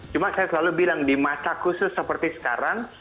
cuma saya selalu bilang di masa khusus seperti sekarang